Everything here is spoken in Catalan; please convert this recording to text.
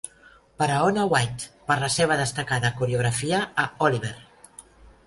"Per a Onna White, per la seva destacada coreografia a 'Oliver'!"